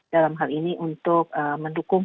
dalam hal ini untuk mendukung